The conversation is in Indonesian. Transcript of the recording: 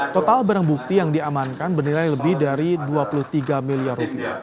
total barang bukti yang diamankan bernilai lebih dari rp dua puluh tiga miliar rupiah